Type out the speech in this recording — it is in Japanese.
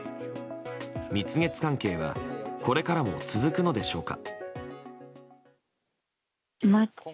蜜月関係はこれからも続くのでしょうか。